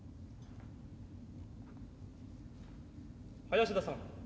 林田さん